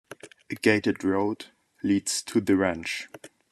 A gated road leads to the ranch.